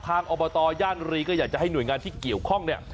อบตย่านรีก็อยากจะให้หน่วยงานที่เกี่ยวข้องเนี่ย